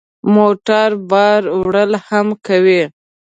موټر بار وړل هم کوي.